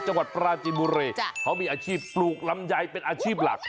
จังหวัดปราจินบุรีเขามีอาชีพปลูกลำไยเป็นอาชีพหลัก